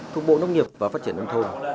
thuộc bộ nông nghiệp và phát triển nông thôn